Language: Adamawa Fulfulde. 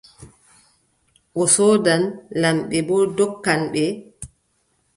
O soodan, lamɓe boo ndonkan ɓe.